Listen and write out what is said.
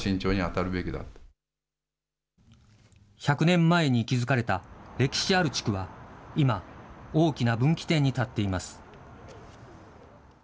１００年前に築かれた歴史ある地区は、今、大きな分岐点に立っています。